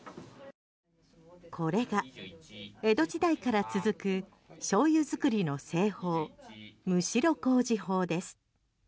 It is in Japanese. これが江戸時代から続くしょうゆ作りの製法むしろ麹法です。